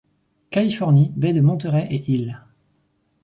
Californie, baie de Monterey et îles.